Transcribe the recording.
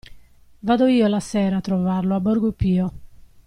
Vado io la sera a trovarlo a Borgo Pio.